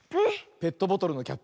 ペットボトルのキャップ。